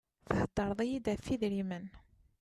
Thedreḍ-iy-d ɣef yidrimen.